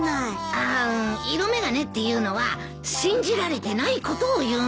ああ色眼鏡っていうのは信じられてないことを言うんだ。